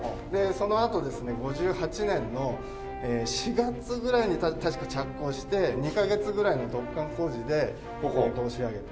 そのあとですね５８年の４月ぐらいに確か着工して２カ月ぐらいの突貫工事で仕上げた。